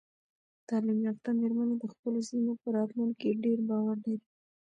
تعلیم یافته میرمنې د خپلو سیمو په راتلونکي ډیر باور لري.